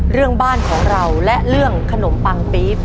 เรื่องบ้านของเราและเรื่องขนมปังปี๊บ